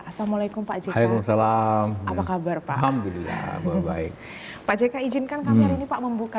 assalamualaikum pak jika salam apa kabar pak ambil baik baik pak jk izinkan kami ini pak membuka